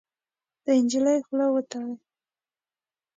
د نجلۍ خوله وتلې